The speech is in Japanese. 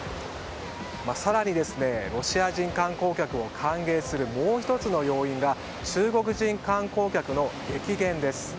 更に、ロシア人観光客を歓迎するもう１つの要因が中国人観光客の激減です。